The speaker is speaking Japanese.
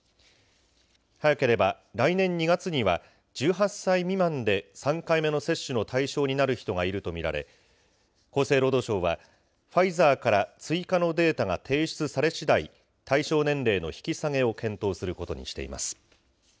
早ければ来年２月には、１８歳未満で３回目の接種の対象になる人がいると見られ、厚生労働省は、ファイザーから追加のデータが提出されしだい、対象年齢の引き下げを検討することにしています。